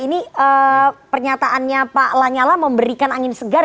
ini pernyataannya pak lanyala memberikan angin segar